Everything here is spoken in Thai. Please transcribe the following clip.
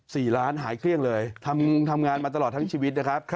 สี่ล้านหายเครื่องเลยทำงานมาตลอดทั้งชีวิตนะครับ